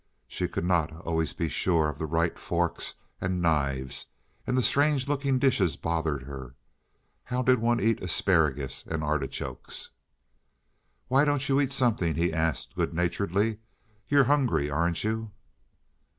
She could not always be sure of the right forks and knives, and the strange looking dishes bothered her; how did one eat asparagus and artichokes? "Why don't you eat something?" he asked good naturedly. "You're hungry, aren't you?"